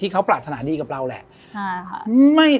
เขาก็ผลัดทนาดีกับเราแหละ